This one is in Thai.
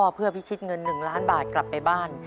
เพื่อพิชิตเงิน๑ล้านบาทกลับไปบ้าน